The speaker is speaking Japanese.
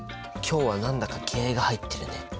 今日は何だか気合いが入ってるね。